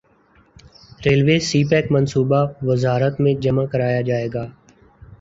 railway CPEC منصوبہ وزارت میں جمع کرایا جائے گا